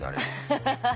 ハハハッ。